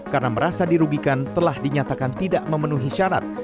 karena merasa dirugikan telah dinyatakan tidak memenuhi syarat